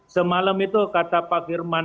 semalam itu kata pak firman